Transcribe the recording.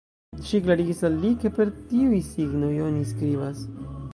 Ŝi klarigis al li, ke per tiuj signoj oni skribas.